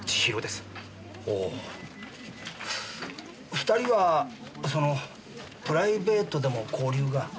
２人はそのプライベートでも交流が？